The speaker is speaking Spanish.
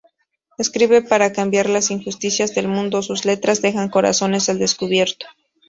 Escribe para cambiar las injusticias del mundo, sus letras dejan corazones al descubierto.